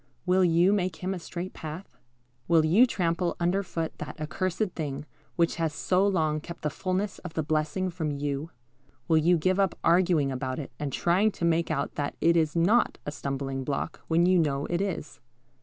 Will you make Him a straight path? Will you trample under foot that accursed thing which has so long kept the fulness of the blessing from you? Will you give up arguing about it and trying to make out that it is not a stumbling block, when you know it is?